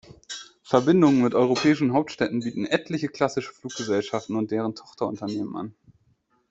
Verbindungen mit europäischen Hauptstädten bieten etliche klassische Fluggesellschaften und deren Tochterunternehmen an.